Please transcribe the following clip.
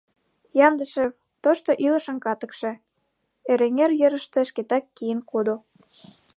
Яндышев — тошто илышын катыкше, Эреҥер йырыште шкетак киен кодо.